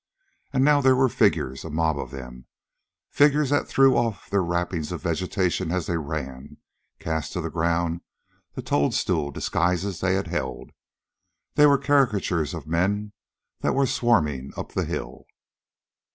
And now there were figures a mob of them figures that threw off their wrappings of vegetation as they ran, cast to the ground the toadstool disguises that they held. They were caricatures of men that were swarming up the hill....